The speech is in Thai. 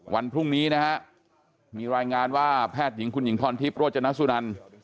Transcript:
วันพรุ่งนี้นะฮะมีรายงานว่าแพทย์หญิงคุณหญิงพรทิพย์โรจนสุนัน